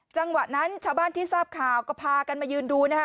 จังหวะนั้นชาวบ้านที่ทราบข่าวก็พากันมายืนดูนะฮะ